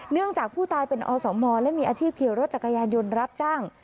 เนื่องจากผู้ตายเป็นอสมและมีอาชีพขี่รถจักรยานยนต์รับจ้าง